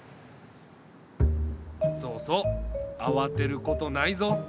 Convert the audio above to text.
そうそうあわてることないぞ。